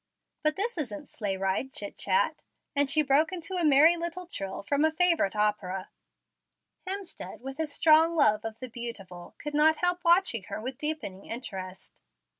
But this isn't sleigh riding chit chat," and she broke into a merry little trill from a favorite opera. Hemstead, with his strong love of the beautiful, could not help watching her with deepening interest.